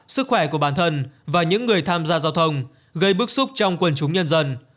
sức khỏe của bản thân và những người tham gia giao thông gây bức xúc trong quần chúng nhân dân